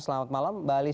selamat malam mbak alicia